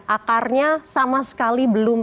akarnya sama sekali belum